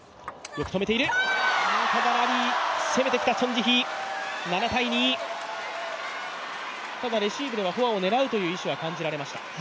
攻めてきたチョン・ジヒ、７−２ただレシーブではフォアを狙うという意思は感じられました。